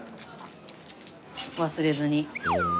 忘れずに。